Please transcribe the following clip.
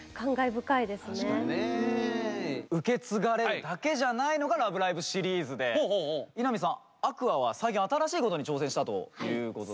確かにね。受け継がれるだけじゃないのが「ラブライブ！」シリーズで伊波さんＡｑｏｕｒｓは最近新しいことに挑戦したということですけど。